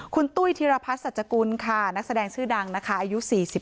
คุณตุ้ยธิรพัฒน์สัจกุลค่ะนักแสดงชื่อดังนะคะอายุ๔๒